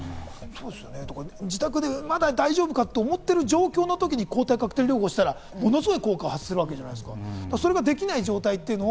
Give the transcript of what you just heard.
自宅でまだ大丈夫かと思っている状況の時に抗体カクテル療法をしたら、ものすごい効果を発するわけじゃないですか。